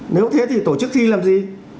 nếu thế thì tổ chức thi làm gì